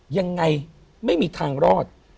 ยังไงไม่มีทางรอด